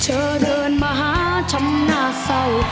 เธอเดินมาหาชำหน้าเศร้า